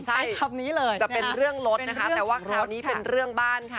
จะเป็นเรื่องรถนะคะแต่ว่าคราวนี้เป็นเรื่องบ้านค่ะ